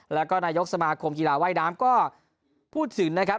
แล้วก็นายกสมาคมกีฬาว่ายน้ำก็พูดถึงนะครับ